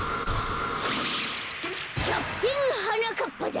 キャプテンはなかっぱだ！